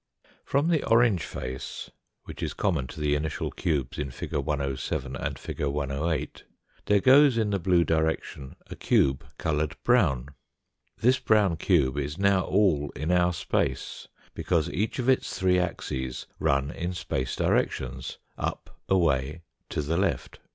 From the orange face, which is common to the initial cubes in fig. 107 and fig. 108, there goes in the blue direction a cube coloured brown. This brown cube is now all in our space, because each of its three axes run in space directions, up, away, to the left.